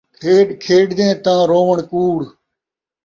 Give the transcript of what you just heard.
کھیݙ کھیݙدیں تاں رووݨ کوڑ